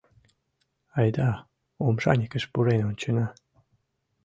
Айда, омшаникыш пурен ончена.